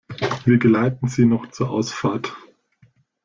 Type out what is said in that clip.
Wir geleiten Sie noch zur Ausfahrt.